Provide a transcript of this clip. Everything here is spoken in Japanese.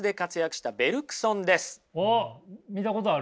おっ見たことある。